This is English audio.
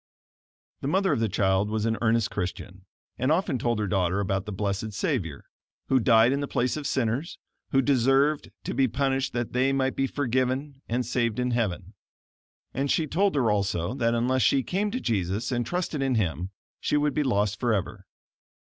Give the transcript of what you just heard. The mother of the child was an earnest Christian, and often told her daughter about the blessed Savior, who died in the place of sinners, who deserved to be punished that they might be forgiven and saved in heaven. And she told her also that unless she came to Jesus, and trusted in Him, she would be lost forever.